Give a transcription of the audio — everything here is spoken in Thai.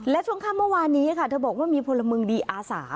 และช่วงค่ำเมื่อวานนี้ค่ะเธอบอกว่ามีพลเมืองดีอาสา